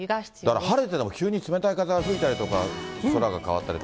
だから晴れてても急に冷たい風が吹いたりとか、空が変わったりと。